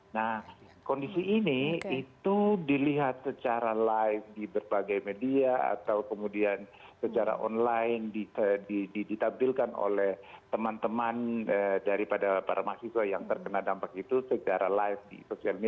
nah kondisi ini itu dilihat secara live di berbagai media atau kemudian secara online ditampilkan oleh teman teman daripada para mahasiswa yang terkenal